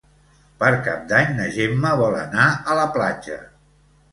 Per Cap d'Any na Gemma vol anar a la platja.